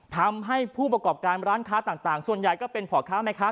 ทำให้ผู้ประกอบการร้านค้าต่างส่วนใหญ่ก็เป็นพ่อค้าแม่ค้า